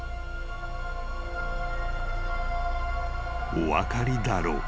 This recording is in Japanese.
［お分かりだろうか？］